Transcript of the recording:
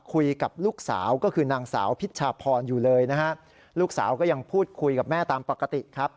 คุยกับลูกสาวก็คือนางสาวพิชชาพรอยู่เลยนะฮะลูกสาวก็ยังพูดคุยกับแม่ตามปกติครับ